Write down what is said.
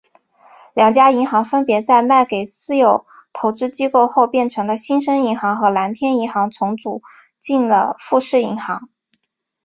两家银行分别在被卖给私有投资机构后变成了新生银行和蓝天银行重组进了富士银行。